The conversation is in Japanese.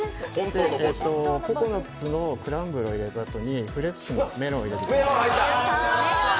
ココナッツのグランブルを入れたあとにフレッシュなメロンを入れていきます。